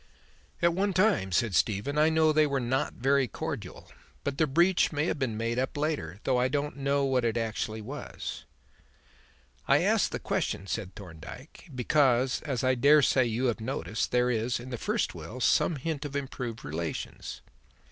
"At one time," said Stephen, "I know they were not very cordial; but the breach may have been made up later, though I don't know that it actually was." "I ask the question," said Thorndyke, "because, as I dare say you have noticed, there is, in the first will, some hint of improved relations.